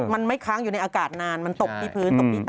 มันไม่ค้างอยู่ในอากาศนานมันตกที่พื้นตกที่ตา